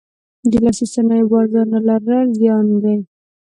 د لاسي صنایعو بازار نه لرل زیان دی.